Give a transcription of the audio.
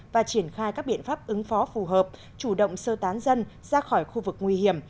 và triển khai các biện pháp ứng phó phù hợp chủ động sơ tán dân ra khỏi khu vực nguy hiểm